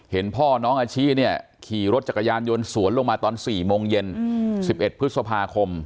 พ่อน้องอาชิเนี่ยขี่รถจักรยานยนต์สวนลงมาตอน๔โมงเย็น๑๑พฤษภาคม